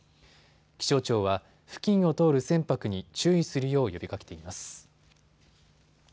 気象庁は付近を通る船舶に注意するよう呼びかけています。